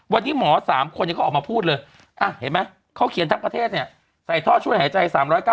วันนี้หมอ๓คนก็ออกมาพูดเลยเขาเขียนทั้งประเทศเนี่ยใส่ท่อช่วยหายใจ๓๙๐